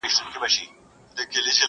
زوی یې زور کاوه پر لور د تورو غرونو،